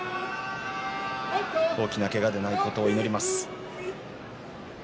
大きなけがでないことを祈ります。